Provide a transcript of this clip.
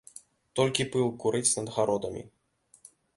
Толькі пыл курыць над гародамі.